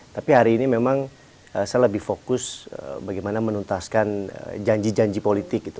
tapi hari ini memang saya lebih fokus bagaimana menuntaskan janji janji politik gitu